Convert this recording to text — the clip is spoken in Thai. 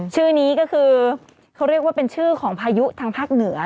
ชื่อนี้ก็คือเขาเรียกว่าเป็นชื่อของพายุทางภาคเหนือ